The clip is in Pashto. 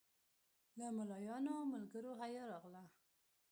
له ملایانو ملګرو حیا راغله.